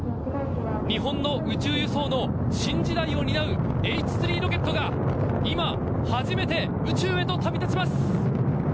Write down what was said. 日本の宇宙輸送の新時代を担うＨ３ロケットが今、初めて宇宙へと旅立ちます。